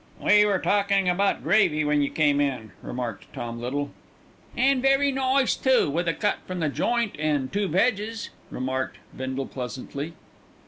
"We were talking about Gravy when you came in," remarked Tom Little. "An' very nice too, with a cut from the joint an' two vegs.," remarked Bindle pleasantly.